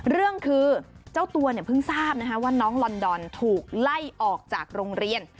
เรื่องคือเจ้าตัวเนี่ยเพิ่งทราบว่าน้องลอนดอนถูกไล่ออกจากโรงเรียน